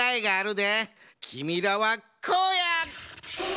きみらはこうや！